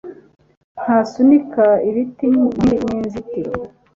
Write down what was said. Ntasunika ibiti inkingi ninzitiro